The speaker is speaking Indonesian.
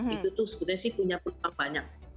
itu tuh sebenarnya sih punya peluang banyak